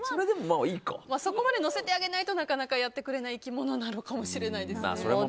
そこまでのせてあげないとなかなかやってくれない生き物なのかもしれないですね。